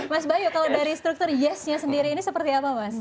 mas bayu kalau dari struktur yes nya sendiri ini seperti apa mas